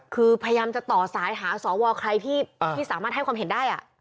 คือพยายามจะต่อสายหาสวใครที่สามารถให้ความเห็นได้